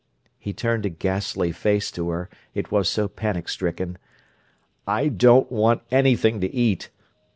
He turned a ghastly face to her, it was so panic stricken. "I don't want anything to eat!"